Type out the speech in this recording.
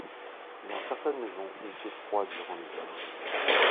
Dans certaines maisons il fait froid durant l’hiver.